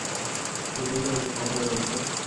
শীঘ্রই কাউকে পাঠাও, রাইটার।